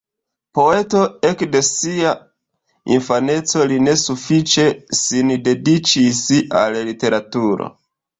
Poeto ekde sia infaneco, li ne sufiĉe sin dediĉis al literaturo.